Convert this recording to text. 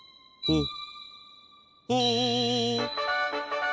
うん！